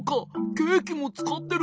ケーキもつかってる。